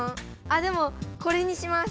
あっでもこれにします。